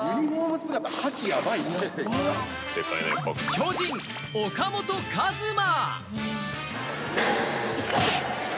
巨人・岡本和真。